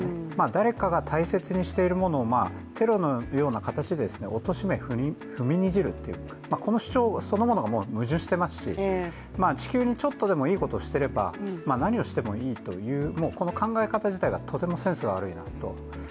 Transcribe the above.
誰かが大切にしているものをテロのような形でおとしめ踏みにじるというこの主張そのものが矛盾していますし地球にちょっとでもいいことをしていれば何をしてもいいというこの考え方自体がとてもセンスが悪いことです